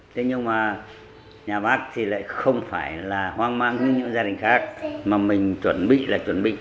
thế nhưng mà nhà bác thì lại không phải là hoang mang với những gia đình khác mà mình chuẩn bị là chuẩn bị